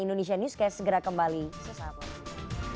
indonesia newscast segera kembali sesaat berikutnya